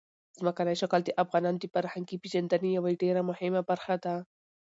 ځمکنی شکل د افغانانو د فرهنګي پیژندنې یوه ډېره مهمه برخه ده.